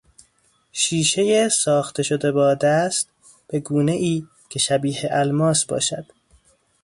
شیشهی ساخته شده با دست به گونهای که شبیه الماس باشد